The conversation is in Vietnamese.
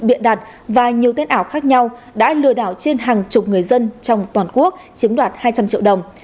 biện đặt và nhiều tên ảo khác nhau đã lừa đảo trên hàng chục người dân trong toàn quốc chiếm đoạt hai trăm linh triệu đồng